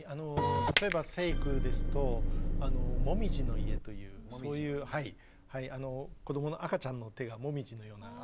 例えば成育ですと「もみじの家」というそういう子どもの赤ちゃんの手がもみじのようなというので。